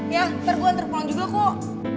ya ntar gue ntar pulang juga kok